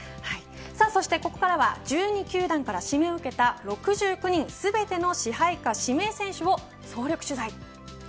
そしてここからは１２球団から指名を受けた６９人全ての支配下指名選手を総力取材。